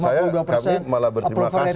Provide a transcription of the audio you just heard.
saya kami malah berterima kasih